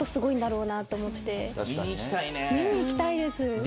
見に行きたいです。